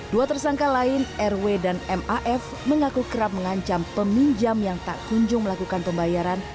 dua tersangka lain rw dan maf mengaku kerap mengancam peminjam yang tak kunjung melakukan pembayaran